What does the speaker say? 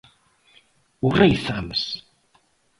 Os raizames.